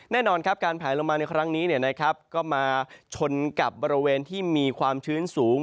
แน่นอนครับการแผลลงมาในครั้งนี้ก็มาชนกับบริเวณที่มีความชื้นสูง